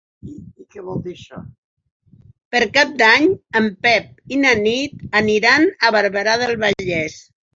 Per Cap d'Any en Pep i na Nit aniran a Barberà del Vallès.